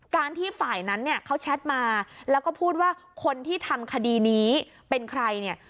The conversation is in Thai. ที่ฝ่ายนั้นเนี่ยเขาแชทมาแล้วก็พูดว่าคนที่ทำคดีนี้เป็นใครเนี่ย